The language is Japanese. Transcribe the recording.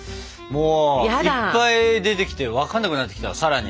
もういっぱい出てきて分かんなくなってきたさらに。